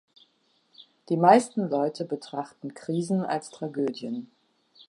Die meisten Leute betrachten Krisen als Tragödien.